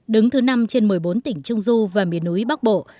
đứng thứ năm trên một mươi bốn tỉnh trung du và miền núi bắc bộ